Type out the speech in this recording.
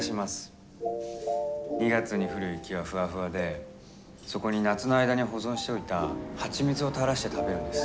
２月に降る雪はフワフワでそこに夏の間に保存しておいたハチミツをたらして食べるんです。